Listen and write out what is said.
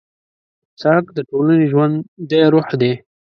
سړک د ټولنې ژوندی روح دی.